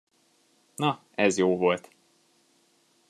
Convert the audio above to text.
Na, ez jó volt.